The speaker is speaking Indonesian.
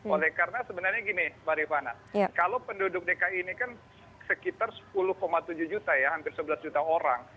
oleh karena sebenarnya gini mbak rifana kalau penduduk dki ini kan sekitar sepuluh tujuh juta ya hampir sebelas juta orang